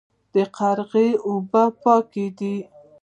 د قرغې اوبه پاکې دي